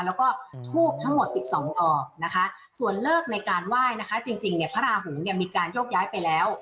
แล้วก็ทูบทั้งหมด๑๒ออกนะคะส่วนเลิกในการไหว้นะคะจริงเนี่ยพระราหูเนี่ยมีการโยกย้ายไปแล้ว